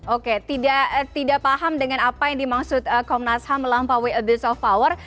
oke tidak paham dengan apa yang dimaksud komnas ham melampaui abuse of power